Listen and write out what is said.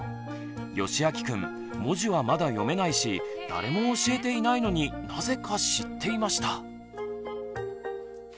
よしあきくん文字はまだ読めないし誰も教えていないのになぜか知っていました。